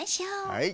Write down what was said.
はい。